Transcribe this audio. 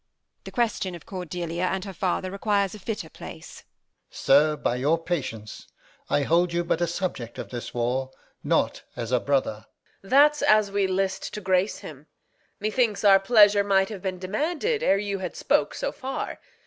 The question of Cordelia and her father Requires a fitter place. Alb. Sir, by your patience, I hold you but a subject of this war, Not as a brother. Reg. That's as we list to grace him. Methinks our pleasure might have been demanded Ere you had spoke so far.